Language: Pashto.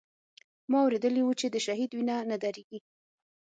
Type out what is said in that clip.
ما اورېدلي و چې د شهيد وينه نه درېږي.